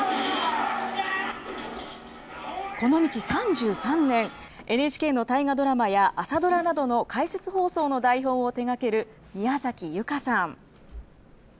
この道３３年、ＮＨＫの大河ドラマや朝ドラなどの解説放送の台本を手がける宮崎由香さん。